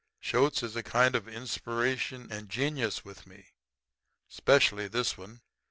Shoats is a kind of inspiration and genius with me. Specially this one.